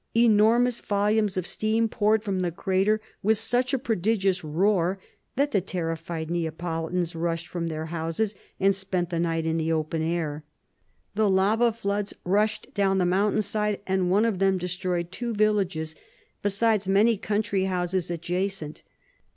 Enormous volumes of steam poured from the crater, with such a prodigious roar, that the terrified Neapolitans rushed from their houses, and spent the night in the open air. The lava floods rushed down the mountain side; and one of them destroyed two villages, besides many country houses adjacent.